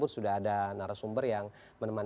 sehat kang ya